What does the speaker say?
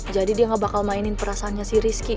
jadi dia nggak bakal mainin perasaannya si rizky